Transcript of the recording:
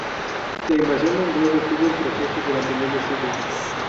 La invasión mongol detuvo el proceso durante medio siglo.